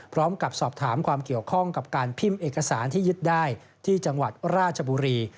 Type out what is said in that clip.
พร้อมกับสอบถามความเกี่ยวข้องกับการพิมพ์เอกสารที่ยึดได้ที่จังหวัดราชบุรี